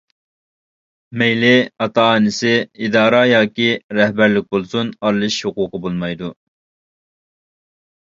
مەيلى ئاتا-ئانىسى، ئىدارە ياكى رەھبەرلىك بولسۇن، ئارىلىشىش ھوقۇقى بولمايدۇ.